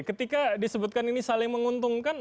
ketika disebutkan ini saling menguntungkan